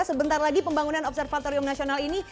sebentar lagi pembangunan observatorium nasional ini